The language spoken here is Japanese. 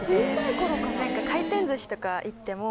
回転寿司とか行っても。